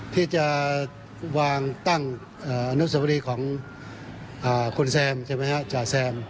ที่จะวางตั้งนุษยธรรมดีของคุณแซมใช่ไหมครับจาแซม